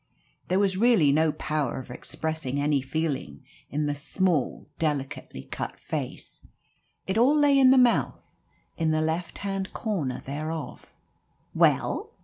There was really no power of expressing any feeling in the small, delicately cut face. It all lay in the mouth, in the left hand corner thereof. "Well?"